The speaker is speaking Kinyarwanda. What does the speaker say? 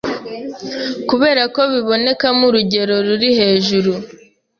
Kubera ko bibonekamo urugero ruri hejuru